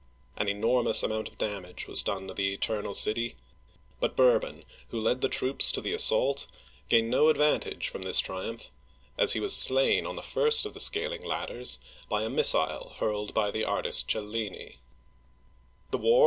An enor mous amount of damage was done to the Eternal City, but Bourbon, who led the troops to the assault, gained no ad vantage from this triumph, as he was slain on the first of the scaling ladders by a missile hurled by the artist Cellini (chel lee'nee).